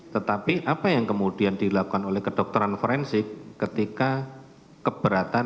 tetapi apa yang kemudian dilakukan oleh kedokteran forensik ketika keberatan